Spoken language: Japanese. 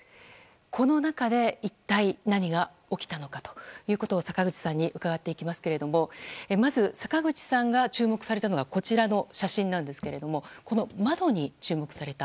この中で一体何が起きたのかということを坂口さんに伺っていきますけどもまず坂口さんが注目されたのがこちらの写真ですが窓に注目された。